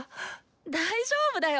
大丈夫だよ！